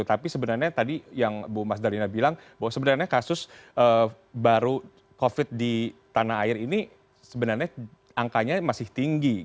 tapi sebenarnya tadi yang bu mas dalina bilang bahwa sebenarnya kasus baru covid di tanah air ini sebenarnya angkanya masih tinggi